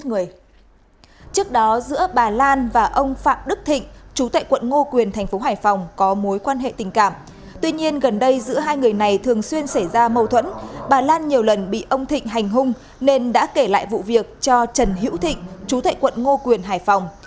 trong khi giữa hai người này thường xuyên xảy ra mâu thuẫn bà lan nhiều lần bị ông thịnh hành hung nên đã kể lại vụ việc cho trần hiễu thịnh chú thệ quận ngô quyền hải phòng